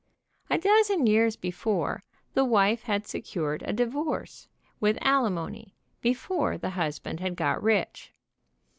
A dozen years before the wife had secured a divorce, with ali mony, before the husband had got rich.